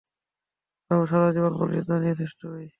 বাবু, সারাজীবন ভুল সিদ্ধান্ত নিয়েছিস তুই।